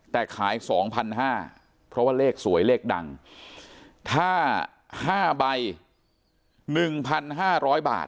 แต่ขายสองพันห้าเพราะว่าเลขสวยเลขดังถ้าห้าใบหนึ่งพันห้าร้อยบาท